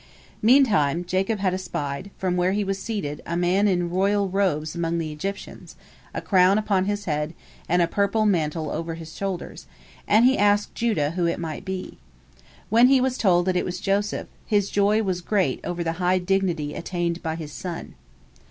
Meantime Jacob had espied, from where he was seated, a man in royal robes among the Egyptians, a crown upon his head, and a purple mantle over his shoulders, and he asked Judah who it might be. When he was told that it was Joseph, his joy was great over the high dignity attained by his son.